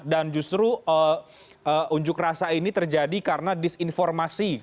dan justru unjuk rasa ini terjadi karena disinformasi